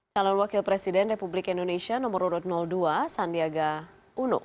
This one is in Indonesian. salon wakil presiden republik indonesia nomor satu ratus dua sandiaga uno